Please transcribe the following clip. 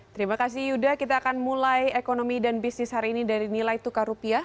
terima kasih yuda kita akan mulai ekonomi dan bisnis hari ini dari nilai tukar rupiah